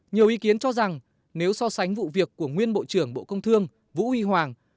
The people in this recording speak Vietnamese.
nhiều ý kiến cho rằng nếu so sánh vụ việc của nguyên bộ trưởng bộ công thương vũ huy hoàng